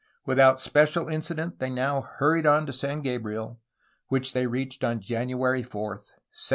Without special incident they now hurried on to San Gabriel, which they reached on January 4, 1776.